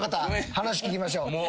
話聞きましょう。